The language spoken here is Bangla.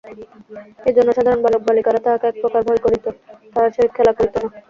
এইজন্য সাধারণ বালকবালিকারা তাহাকে একপ্রকার ভয় করিত, তাহার সহিত খেলা করিত না।